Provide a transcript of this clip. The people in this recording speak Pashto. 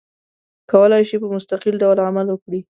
کولای شي په مستقل ډول عمل وکړي.